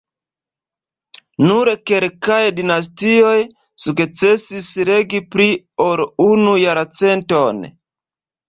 Nur kelkaj dinastioj sukcesis regi pli ol unu jarcenton.